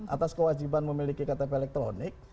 atas kewajiban memiliki ktp elektronik